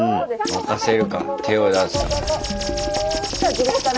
任せるか手を出すか。